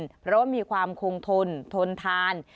เพราะว่ามีความคงทนทนทาน